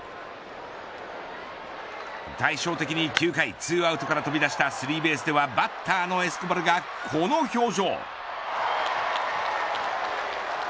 対照的に、９回２アウトから飛び出したスリーベースではバッターのエスコバルがこの表情。